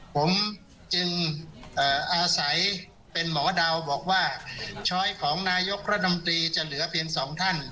ผมจึงอาศัยเป็นหมอดาวบอกว่าช้อยของนายกรัฐมนตรีจะเหลือเพียงสองท่าน